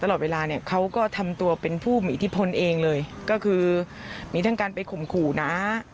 ตลอดเวลาเนี่ยเขาก็ทำตัวเป็นผู้มีอิทธิพลเองเลยก็คือมีทั้งการไปข่มขู่นะ